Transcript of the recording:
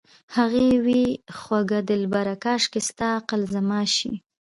هغې وې خوږه دلبره کاشکې ستا عقل زما شي